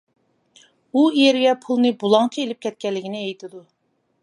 ئۇ ئېرىگە پۇلنى بۇلاڭچى ئېلىپ كەتكەنلىكىنى ئېيتىدۇ.